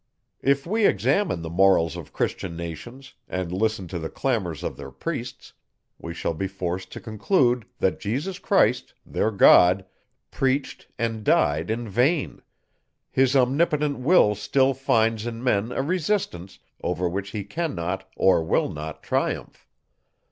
If we examine the Morals of Christian nations, and listen to the clamours of their priests, we shall be forced to conclude, that Jesus Christ, their God, preached and died, in vain; his omnipotent will still finds in men, a resistance, over which he cannot, or will not triumph.